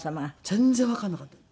全然わからなかった。